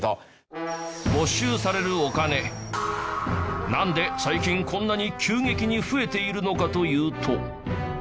没収されるお金なんで最近こんなに急激に増えているのかというと。